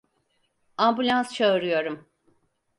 Ambulans çağırıyorum.